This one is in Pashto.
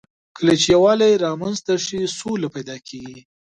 کله چې یووالی رامنځ ته شي، سوله پيدا کېږي.